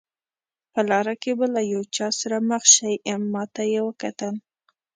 په لاره کې به له یو چا سره مخ شئ، ما ته یې وکتل.